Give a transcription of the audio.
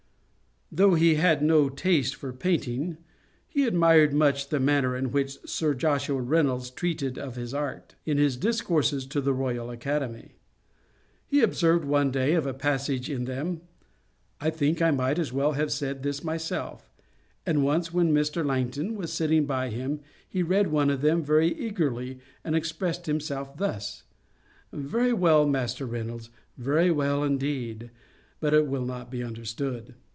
Though he had no taste for painting, he admired much the manner in which Sir Joshua Reynolds treated of his art, in his Discourses to the Royal Academy. He observed one day of a passage in them, 'I think I might as well have said this myself: 'and once when Mr. Langton was sitting by him, he read one of them very eagerly, and expressed himself thus: 'Very well, Master Reynolds; very well, indeed. But it will not be understood.'